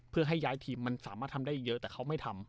เพื่อให้ย้ายทีมมันสามารถทำได้เยอะแต่เขาไม่ทำ